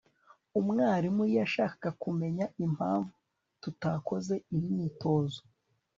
umwarimu yashakaga kumenya impamvu tutakoze imyitozo